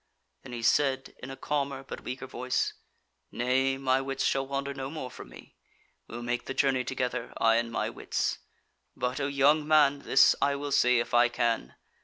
Then he said in a calmer but weaker voice: "Nay, my wits shall wander no more from me; we will make the journey together, I and my wits. But O, young man, this I will say if I can.